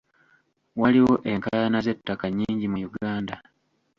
Waliwo enkaayana z'ettaka nnyingi mu Uganda.